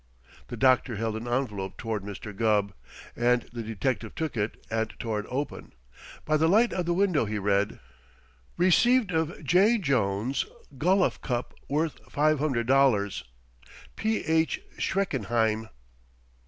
The doctor held an envelope toward Mr. Gubb, and the detective took it and tore it open. By the light of the window he read: Rec'd of J. Jones, golluf cup worth $500. P. H. SCHRECKENHEIM.